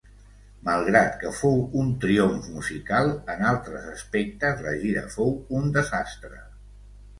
Malgrat que fou un triomf musical, en altres aspectes la gira fou un desastre.